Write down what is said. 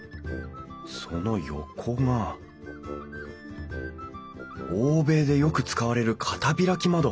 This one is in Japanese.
その横が欧米でよく使われる片開き窓。